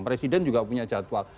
presiden juga punya jadwal